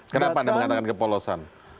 kenapa anda mengatakan kepolosan